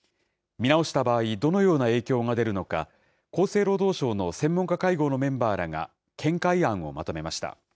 見直した場合、どのような影響が出るのか、厚生労働省の専門家会合のメンバーらが、見解案をまとめました。